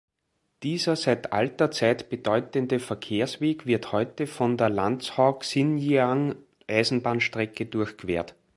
Dieser seit alter Zeit bedeutende Verkehrsweg wird heute von der Lanzhou-Xinjiang-Eisenbahnstrecke durchquert.